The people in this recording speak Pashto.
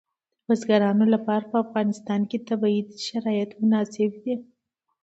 د بزګانو لپاره په افغانستان کې طبیعي شرایط مناسب دي.